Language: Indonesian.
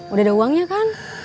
udah ada uangnya kan